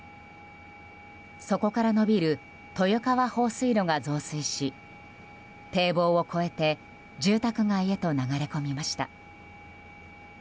そこから延びる豊川放水路が増水し堤防を越えて住宅街へと流れ込みました。